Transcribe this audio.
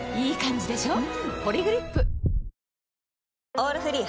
「オールフリー」